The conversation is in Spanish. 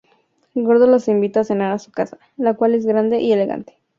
Gordo los invita a cenar a su casa, la cual es grande y elegante.